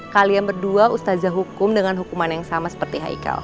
kalian berdua ustazah hukum dengan hukuman yang sama seperti haikal